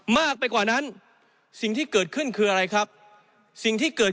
มากไปกว่านั้นสิ่งที่เกิดขึ้นคืออะไรครับสิ่งที่เกิด